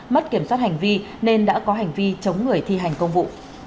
mất kiểm soát hành vi nên đã có hành vi chống người thi hành công vụ